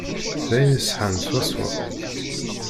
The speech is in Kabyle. D ayen iṣeḥḥan swaswa.